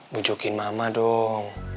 bujokin mama dong